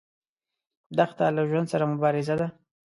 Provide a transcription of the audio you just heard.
دښته له ژوند سره مبارزه ده.